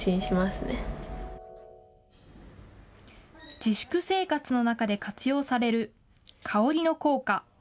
自粛生活の中で活用される香りの効果。